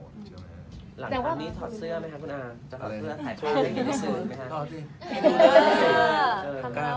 หลังครั้งนี้ถอดเสื้อไหมคะคุณอาง